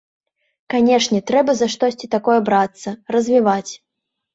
Канечне, трэба за штосьці такое брацца, развіваць.